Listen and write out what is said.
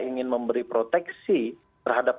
ingin memberi proteksi terhadap